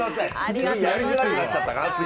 次の人がやりづらくなっちゃったかな？